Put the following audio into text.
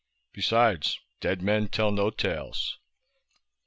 "Besides, dead men tell no tales."